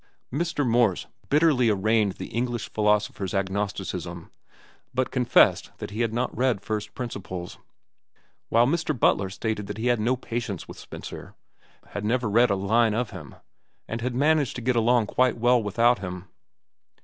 Mr. Morse bitterly arraigned the English philosopher's agnosticism, but confessed that he had not read "First Principles"; while Mr. Butler stated that he had no patience with Spencer, had never read a line of him, and had managed to get along quite well without him.